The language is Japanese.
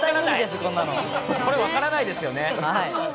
これ、分からないですよね。